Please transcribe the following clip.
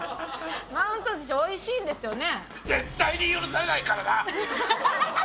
マウント寿司美味しいんですよね？